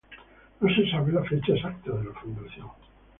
No se sabe la fecha exacta de fundación.